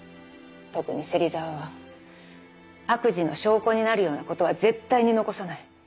特に芹沢は悪事の証拠になるようなことは絶対に残さない。